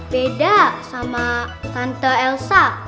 beda sama tante elsa